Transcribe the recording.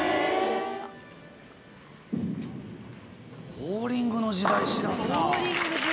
ボウリングの時代知らんな。